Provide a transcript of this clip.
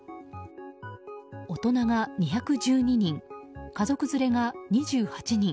大人が２１２人家族連れが２８人